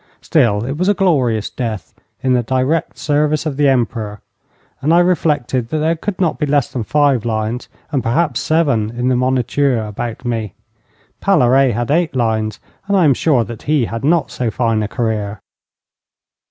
Still, it was a glorious death in the direct service of the Emperor and I reflected that there could not be less than five lines, and perhaps seven, in the Moniteur about me. Palaret had eight lines, and I am sure that he had not so fine a career.